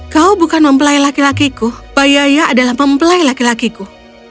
kau bukan mempelai laki lakiku bayaya adalah mempelai laki lakiku